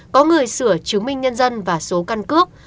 có người sửa chứng minh nhân dân và số căn cước